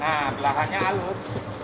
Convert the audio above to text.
nah belahannya halus